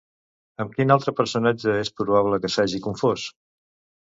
Amb quin altre personatge és probable que s'hagi confós?